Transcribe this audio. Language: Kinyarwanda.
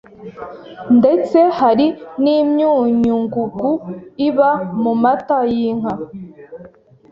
ndetse hari n’imyunyungugu iba mu mata y’inka